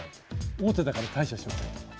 王手だから解除しますよ。